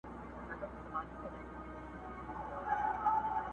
دریم پوښتنه د سرکار او د جهاد کوله؛